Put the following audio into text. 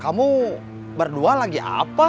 kamu berdua lagi apa